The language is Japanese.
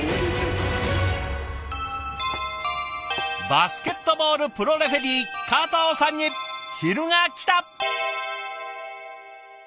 バスケットボールプロレフェリー加藤さんに昼がきた！